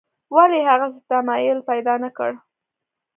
ولې یې هغسې تمایل پیدا نکړ.